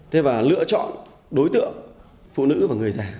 thế và lựa chọn đối tượng phụ nữ và người già